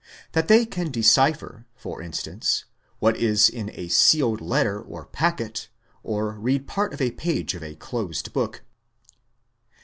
That they can decipher, for instance, what is in a sealed letter or packet, or read part of a page of a closed book.